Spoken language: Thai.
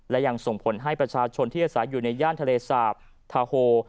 และยังส่งผลให้ประชาชนที่อาศัยอยู่ในย่านทะเลสาปทาโฮ